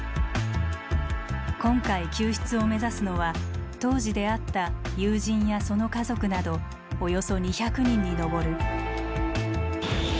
今回救出を目指すのは当時出会った友人やその家族などおよそ２００人に上る。